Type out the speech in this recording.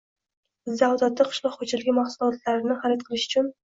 izda odatda qishloq xo‘jaligi muhsulotlariini xarid qilish uchun